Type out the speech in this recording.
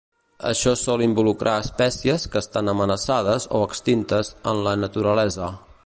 Això sol involucrar espècies que estan amenaçades o extintes en la naturalesa.